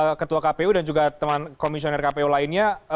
dengan ketua kpu dan juga teman komisioner kpu lainnya